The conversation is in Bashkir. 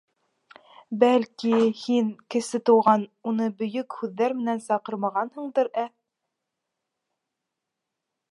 — Бәлки, һин, Кесе Туған, уны Бөйөк һүҙҙәр менән саҡырмағанһыңдыр, ә?